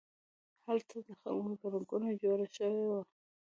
هلته د خلکو ګڼه ګوڼه جوړه شوې وه.